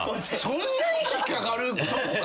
そんなに引っ掛かるとこか？